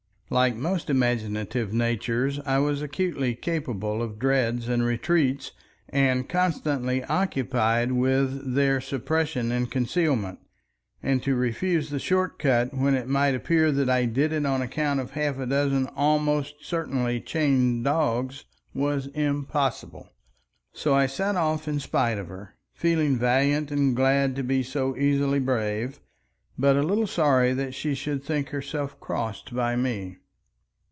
Like most imaginative natures I was acutely capable of dreads and retreats, and constantly occupied with their suppression and concealment, and to refuse the short cut when it might appear that I did it on account of half a dozen almost certainly chained dogs was impossible. So I set off in spite of her, feeling valiant and glad to be so easily brave, but a little sorry that she should think herself crossed by me.